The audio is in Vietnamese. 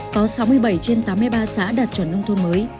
có sáu mươi bảy trên tám mươi ba xã đạt chuẩn nông thôn mới